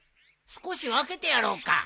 少し分けてやろうか？